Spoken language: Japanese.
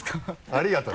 ありがとうね。